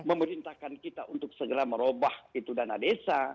memerintahkan kita untuk segera merubah itu dana desa